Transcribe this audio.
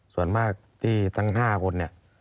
ส่วนมากที่ทั้ง๕คนเนี่ย